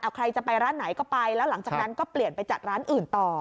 ใครจะไปร้านไหนก็ไปแล้วหลังจากนั้นก็เปลี่ยนไปจัดร้านอื่นต่อ